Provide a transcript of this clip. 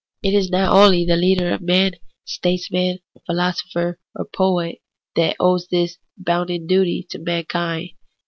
It is not only the leader of men, statesman, philo sopher, or poet, that owes this bounden duty to man kind.